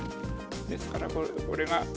ですからこれが。